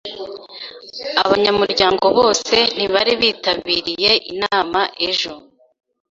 Abanyamuryango bose ntibari bitabiriye inama ejo.